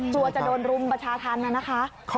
กลัวจะโดนรุมประชาธรรมนะคะ